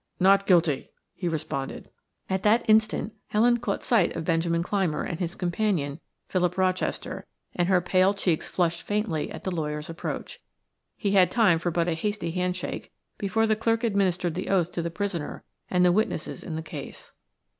"Not guilty," he responded. At that instant Helen caught sight of Benjamin Clymer and his companion, Philip Rochester, and her pale cheeks flushed faintly at the lawyer's approach. He had time but for a hasty handshake before the clerk administered the oath to the prisoner and the witnesses in the case.